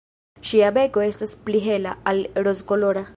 Ŝia beko estas pli hela, al rozkolora.